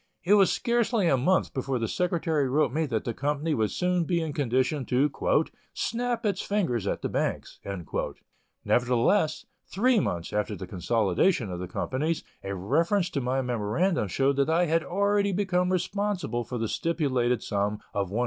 It was scarcely a month before the secretary wrote me that the company would soon be in condition to "snap its fingers at the banks." Nevertheless, three months after the consolidation of the companies, a reference to my memoranda showed that I had already become responsible for the stipulated sum of $110,000.